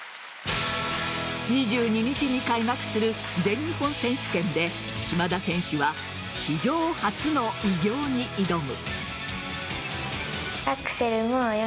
２２日に開幕する全日本選手権で島田選手は史上初の偉業に挑む。